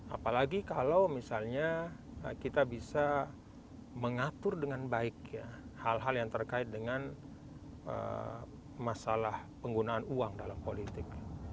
apalagi kalau misalnya kita bisa mengatur dengan baik hal hal yang terkait dengan masalah penggunaan uang dalam politik